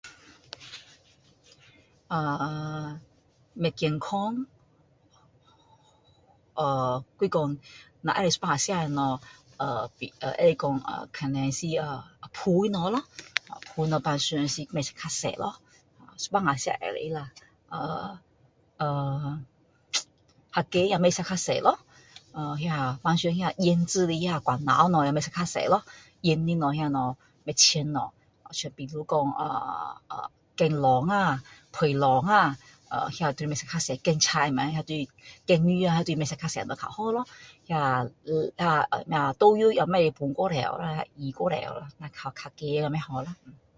不健康还是说只是可以有时候吃的东西可以说是炸的东西炸的东西平常是不可以比较多有时候吃是可以比较咸也不要吃这么多平常那个腌制的罐头什么也不要吃这么多咯腌制的东西也不新鲜的东西好像比如说咸蛋啦皮蛋呀那个就不要吃这么多咸菜什么咸鱼什么不要吃这么多比较好那个酱油也不要放那么多那个味道那么多不好